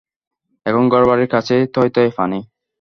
এখন ঘরবাড়ির কাছেই থইথই পানি।